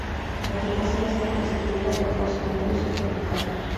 La vegetación está constituida por bosque húmedo subtropical.